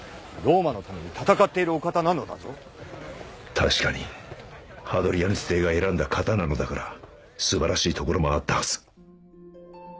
確かにハドリアヌス帝が選んだ方なのだから素晴らしいところもあったはず